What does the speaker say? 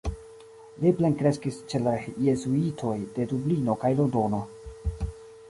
Li plenkreskis ĉe la jezuitoj de Dublino kaj Londono.